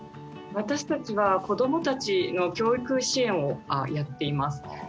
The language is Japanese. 私たちは子どもたちの教育支援をやっています。